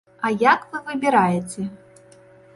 А як вы выбіраеце?